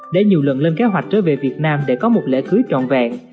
đã nhiều lần lên kế hoạch trở về việt nam để có một lễ cưới trọn vẹn